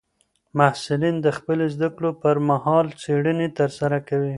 محصلین د خپلو زده کړو پر مهال څېړني ترسره کوي.